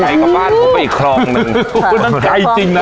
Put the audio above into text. ไปกลับบ้านเข้าไปอีกคลองนึงนั่งไกลจริงน่ะ